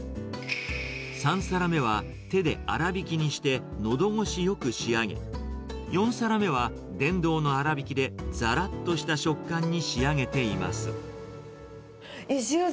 ３皿目は、手で粗びきにして、のどごしよく仕上げ、４皿目は、電動の粗びきでざらっとした食感に仕上げています。